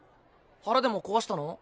腹でも壊したの？